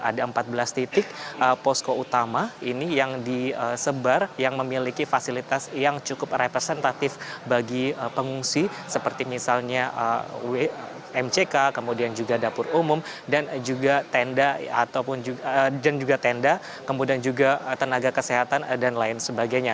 ada empat belas titik posko utama ini yang disebar yang memiliki fasilitas yang cukup representatif bagi pengungsi seperti misalnya mck kemudian juga dapur umum dan juga tenda dan juga tenda kemudian juga tenaga kesehatan dan lain sebagainya